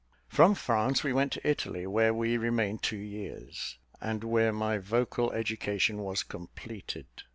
"From France we went to Italy, where we remained two years, and where my vocal education was completed.